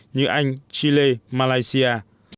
như anh chile malaysia